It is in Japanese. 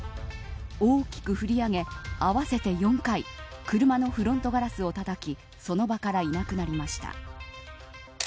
大きく振り上げ合わせて４回車のフロントガラスをたたきその場から、いなくなりました。